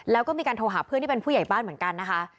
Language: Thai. แล้วก็มีการโทรหาเพื่อนที่เป็นผู้ใหญ่บ้านเหมือนกันนะคะ